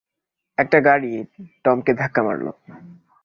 একটা গাড়ী টমকে ধাক্কা মারল।